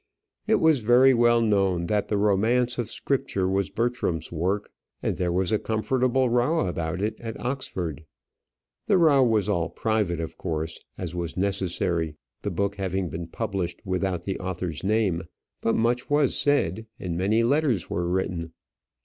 It was very well known that the "Romance of Scripture" was Bertram's work, and there was a comfortable row about it at Oxford. The row was all private, of course as was necessary, the book having been published without the author's name. But much was said, and many letters were written.